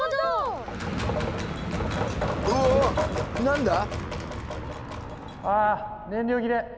何だ⁉「あ燃料切れ！